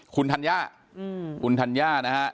คุณธัญญา